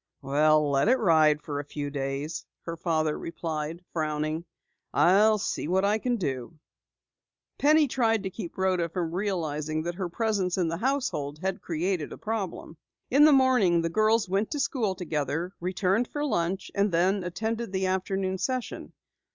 "Well, let it ride for a few days," her father replied, frowning. "I'll see what I can do." Penny tried to keep Rhoda from realizing that her presence in the household had created a problem. In the morning the girls went to school together, returned for lunch, and then attended the afternoon session.